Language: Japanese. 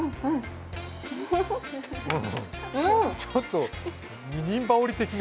ちょっと２人羽織的な。